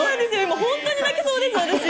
本当に泣きそうです。